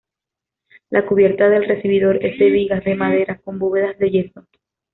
La cubierta del recibidor es de vigas de madera con bóvedas de yeso.